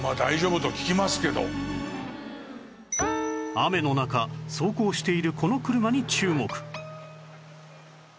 雨の中走行しているこの車に注目